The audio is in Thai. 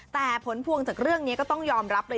แต่ผลพวงจากเรื่องนี้ก็ต้องยอมรับเลย